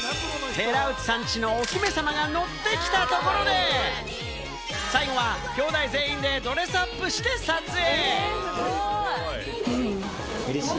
寺内さん家のお姫さまがノってきたところで、最後はきょうだい全員でドレスアップして撮影。